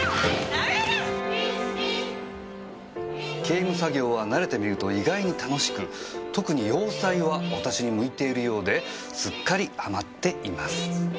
「刑務作業は慣れてみると意外に楽しく特に洋裁は私に向いているようですっかりはまっています」